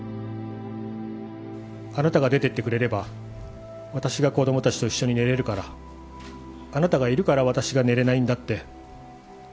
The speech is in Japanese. あなたが出てってくれれば私が子どもたちと一緒に寝れるから、あなたがいるから私が寝れないんだって。